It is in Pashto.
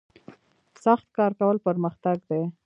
سخت کار کول پرمختګ دی